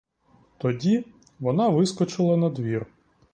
Тоді вона вискочила надвір.